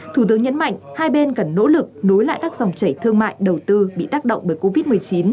thủ tướng nhấn mạnh hai bên cần nỗ lực nối lại các dòng chảy thương mại đầu tư bị tác động bởi covid một mươi chín